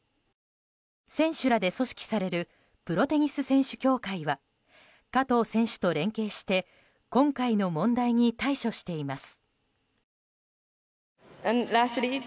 選手らで組織されるプロテニス選手協会は加藤選手と連携して今回の問題に対処しています。